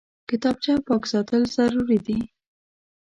کتابچه پاک ساتل ضروري دي